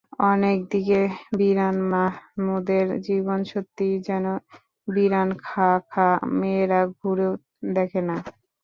অন্যদিকে বিরান মাহমুদের জীবন সত্যিই যেন বিরান, খাঁ খাঁ—মেয়েরা ঘুরেও দেখে না।